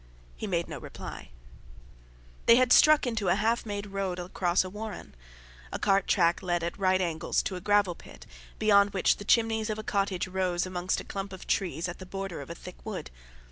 He made no reply. They had struck into a half made road across a warren. A cart track led at right angles to a gravel pit, beyond which the chimneys of a cottage rose amongst a clump of trees at the border of a thick wood.